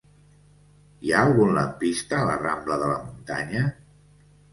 Hi ha algun lampista a la rambla de la Muntanya?